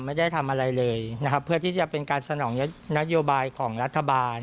ไม่ได้ทำอะไรเลยนะครับเพื่อที่จะเป็นการสนองนโยบายของรัฐบาล